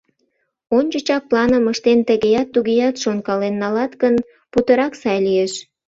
Ончычак планым ыштен, тыгеат-тугеат шонкален налат гын, путырак сай лиеш.